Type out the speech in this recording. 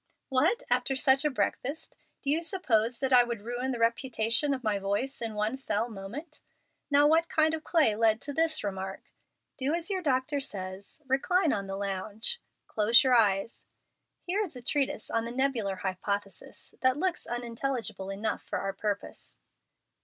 "What! after such a breakfast! Do you suppose that I would ruin the reputation of my voice in one fell moment? Now what kind of clay led to this remark? Do as your doctor says. Recline on the lounge. Close your eyes. Here is a treatise on the Nebular Hypothesis that looks unintelligible enough for our purpose."